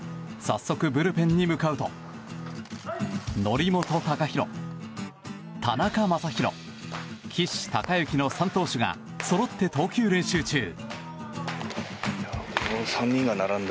早速ブルペンへ向かうと則本昂大、田中将大、岸孝之の３投手がそろって投球練習中。